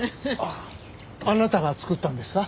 あなたが作ったんですか？